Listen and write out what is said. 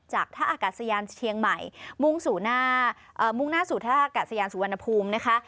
จากท่าอากาศยานเชียงใหม่มุ่งหน้าสู่ท่าอากาศยานสุวรรณภูมินะคะ